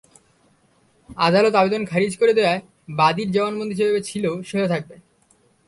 আদালত আবেদন খারিজ করে দেওয়ায় বাদীর জবানবন্দি যেভাবে ছিল সেভাবে থাকবে।